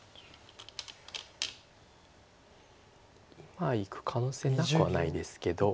まあいく可能性なくはないですけど